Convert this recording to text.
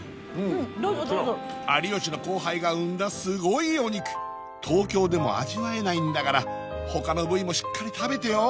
どうぞどうぞ有吉の後輩が生んだすごいお肉東京でも味わえないんだから他の部位もしっかり食べてよ！